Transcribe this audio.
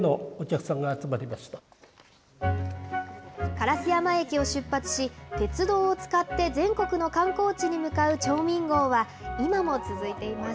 烏山駅を出発し、鉄道を使って全国の観光地に向かう町民号は今も続いています。